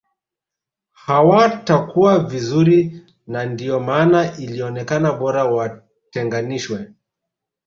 Hawatakua vizuri na ndio maana ilionekana bora watenganishwe